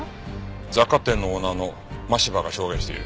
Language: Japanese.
雑貨店のオーナーの真柴が証言している。